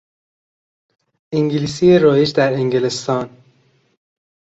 انگلیسی رایج در انگلستان